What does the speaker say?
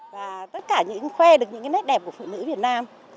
và tất cả những khoe được những nét đẹp của phụ nữ việt nam